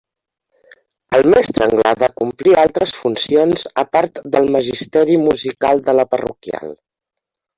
El mestre Anglada complia altres funcions a part del magisteri musical de la parroquial.